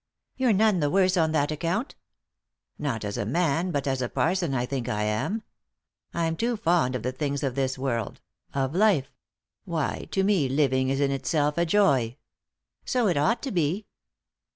"You're none the worse on that account." " Not as a man, but as a parson I think I am. I'm too fond of the things of this world ; of life — why, to me, living is in itself a joy." " So it ought to be."